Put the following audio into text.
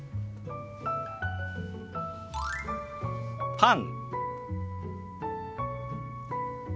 「パン」。